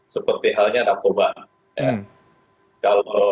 seperti halnya rakoban